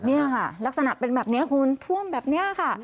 นี่ค่ะลักษณะเป็นแบบนี้คุณท่วมแบบนี้ค่ะ